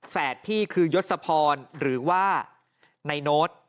พี่คือยศพรหรือว่าในโน้ต